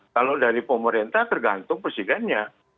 kalau dari pemerintah tergantung presidennya